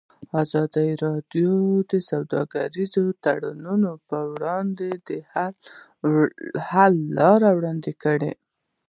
ازادي راډیو د سوداګریز تړونونه پر وړاندې د حل لارې وړاندې کړي.